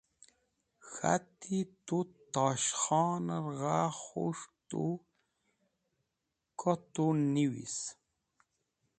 K̃hati tu’t Tosh Khoner gha khus̃het tu, ko tu niwiz.